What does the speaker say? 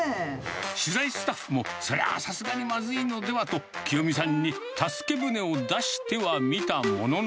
取材スタッフも、それはさすがにまずいのではと、きよみさんに助け舟を出してはみたものの。